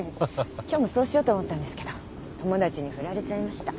今日もそうしようと思ったんですけど友達に振られちゃいました。